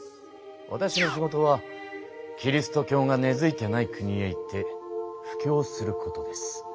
わたしの仕事はキリスト教が根づいていない国へ行って布教することです。